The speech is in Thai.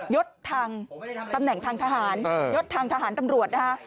ยดทางตำแหน่งทางทหารยศทางทหารตำรวจนะฮะ